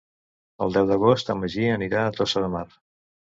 El deu d'agost en Magí anirà a Tossa de Mar.